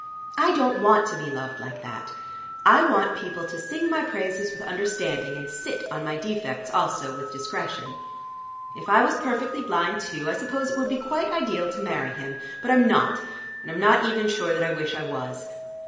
I don't want to be loved like that. I want people to sing my praises with understanding, and sit on my defects also with discretion. If I was perfectly blind too, I suppose it would be quite ideal to marry him. But I'm not, and I'm not even sure that I wish I was.